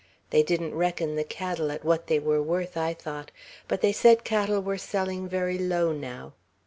They didn't reckon the cattle at what they were worth, I thought; but they said cattle were selling very low now.